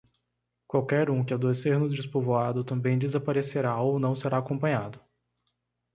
Qualquer um que adoecer no despovoado também desaparecerá ou não será acompanhado.